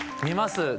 見ます。